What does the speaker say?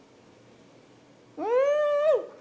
うん！